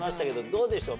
どうでしょう？